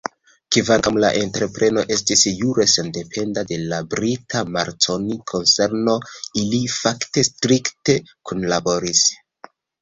Kvankam la entrepreno estis jure sendependa de la brita Marconi-konserno, ili fakte strikte kunlaboris.